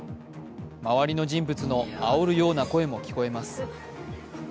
周りの人物のあおるような声も聞こえます。